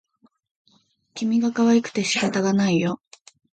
君がかわいくて仕方がないよ